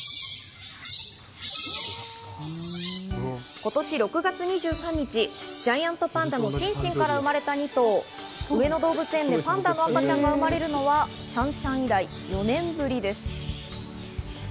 今年６月２３日、ジャイアントパンダのシンシンから生まれた２頭、上野動物園でパンダの赤ちゃんが生まれるのはシャンシャン以来、４年ぶりです。